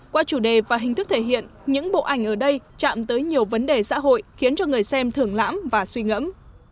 qua chủ đề và hình thức thể hiện những bộ ảnh ở đây chạm tới nhiều vấn đề xã hội khiến cho người xem thưởng lãm và suy ngẫm